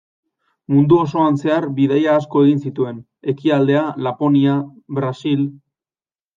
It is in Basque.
Mundu osoan zehar bidaia asko egin zituen: Ekialdea, Laponia, Brasil.